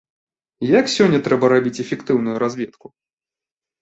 Як сёння трэба рабіць эфектыўную разведку?